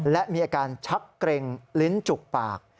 และมีอาการชักเกร็งลิ้นจุกปาก